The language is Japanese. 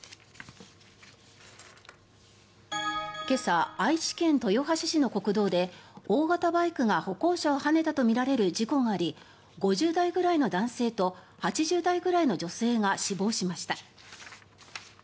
今朝、愛知県豊橋市の国道で大型バイクが歩行者をはねたとみられる事故があり５０代くらいの男性と８０代くらいの女性が死亡しました。